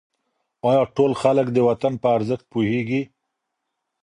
آیا ټول خلک د وطن په ارزښت پوهېږي؟